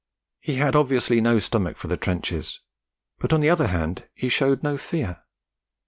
He had obviously no stomach for the trenches, but on the other hand he showed no fear.